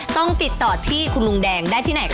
ต้องติดต่อที่คุณลุงแดงได้ที่ไหนคะ